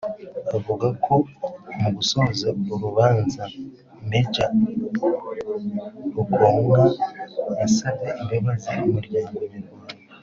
avuga ko mu gusoza uru rubanza Maj Rugomwa yasabye imbabazi Umuryango nyarwanda